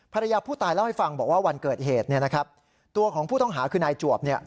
ภรรยาผู้ตายเล่าให้ฟังว่าวันเกิดเหตุตัวของผู้ต้องหาคือนายจวบ